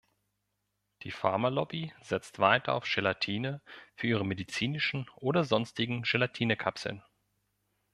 Die Pharma-Lobby setzt weiter auf Gelatine für ihre medizinischen oder sonstigen Gelatinekapseln.